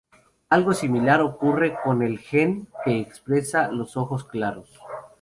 Algo similar ocurre con el gen que expresa los ojos claros.